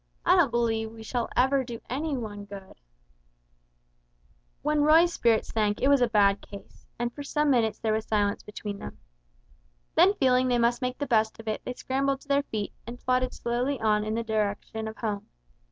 I don't believe we ever shall do any one any good!" When Roy's spirits sank it was a bad case, and for some minutes there was silence between them. Then feeling they must make the best of it they scrambled to their feet and plodded slowly on in the direction of home.